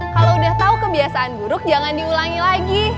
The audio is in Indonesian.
kalau udah tahu kebiasaan buruk jangan diulangi lagi